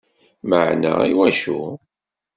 Meεna iwacu?